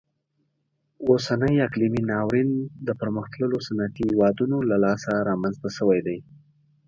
اوسنی اقلیمي ناورین د پرمختللو صنعتي هیوادونو له لاسه رامنځته شوی دی.